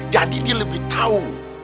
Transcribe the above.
jadi dia lebih tahu